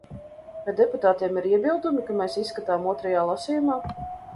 Vai deputātiem ir iebildumi, ka mēs izskatām otrajā lasījumā?